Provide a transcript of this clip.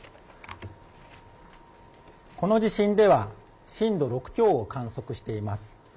この時間では震度６強を観測しています。